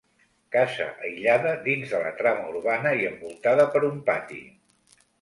Casa aïllada dins de la trama urbana i envoltada per un pati.